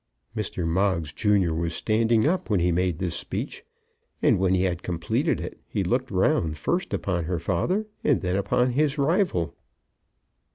Mr. Moggs junior was standing up when he made this speech, and, when he had completed it, he looked round, first upon her father and then upon his rival.